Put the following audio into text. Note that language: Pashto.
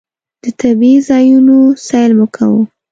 د طبعي ځایونو سیل مو کاوه.